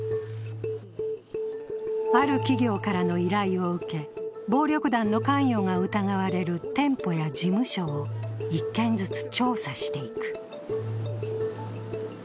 ある企業からの依頼を受け、暴力団の関与が疑われる店舗や事務所を１軒ずつ調査していく。